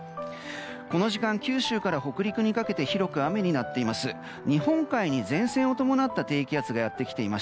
この時間、九州から北陸にかけて広く雨になっています。